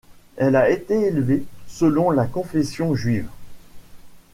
Elle a été élevée selon la confession juive.